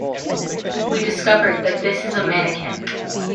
We discovered that this is a mannequin.